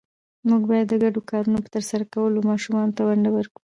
موږ باید د ګډو کارونو په ترسره کولو ماشومانو ته ونډه ورکړو